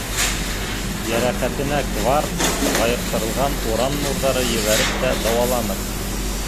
Йәрәхәтенә кварц, байыҡтырылған уран нурҙары ебәреп тә дауаланыҡ.